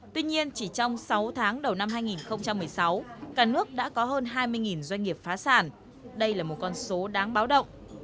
tuy nhiên chỉ trong sáu tháng đầu năm hai nghìn một mươi sáu cả nước đã có hơn hai mươi doanh nghiệp phá sản đây là một con số đáng báo động